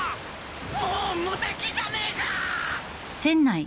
もう無敵じゃねえかー！